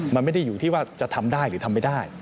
มันไม่ได้อยู่ที่ว่าจะทำได้หรือทำไม่ได้